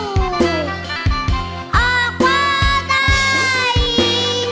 ออกว่าได้